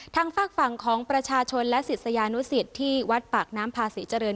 ฝากฝั่งของประชาชนและศิษยานุสิตที่วัดปากน้ำพาศรีเจริญ